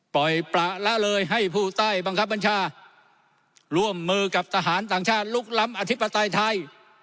ปล่อยประละเลยให้ผู้ใต้บังคับบัญชาร่วมมือกับทหารต่างชาติลุกล้ำอธิปไตยไทย